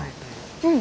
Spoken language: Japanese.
うん。